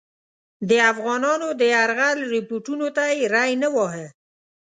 د افغانانو د یرغل رپوټونو ته یې ری نه واهه.